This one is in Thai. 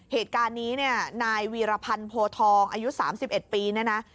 เหตุการณ์นี้เนี่ยนายวีรพันธ์โพทองอายุ๓๑ปีเนี่ยนะ